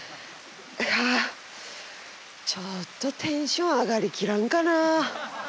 はあちょっとテンション上がり切らんかなあ。